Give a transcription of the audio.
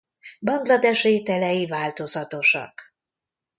Banglades ételei változatosak.